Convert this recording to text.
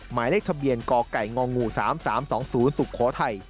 หมายเลขทะเบียนกไก่ง๓๓๒๐สุโขทัย